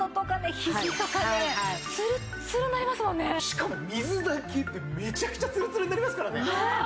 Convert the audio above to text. しかも水だけでめちゃくちゃつるつるになりますからね。